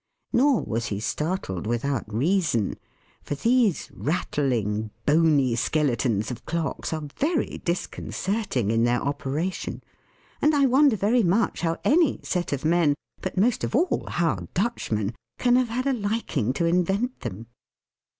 Nor was he startled without reason; for these rattling, bony skeletons of clocks are very disconcerting in their operation, and I wonder very much how any set of men, but most of all how Dutchmen, can have had a liking to invent them.